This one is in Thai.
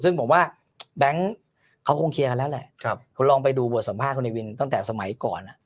ซึ่งผมว่าแบงค์เขาคงเคลียร์กันแล้วแหละคุณลองไปดูบทสัมภาษณ์วินตั้งแต่สมัยก่อน